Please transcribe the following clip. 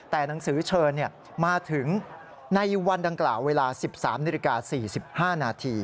แต่หนังสือเชิญมาถึงในวันดังกล่าวเวลา๑๓นาฬิกา๔๕นาที